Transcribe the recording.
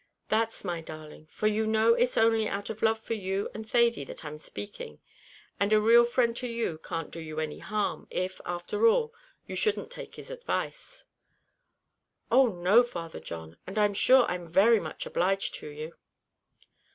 "That's my darling, for you know it's only out of love for you and Thady that I'm speaking, and a real friend to you can't do you any harm, if after all you shouldn't take his advice." "Oh! no, Father John, and I'm sure I'm very much obliged to you."